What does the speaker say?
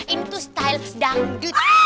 ini tuh style dangdut